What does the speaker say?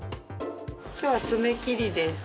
きょうは爪切りです。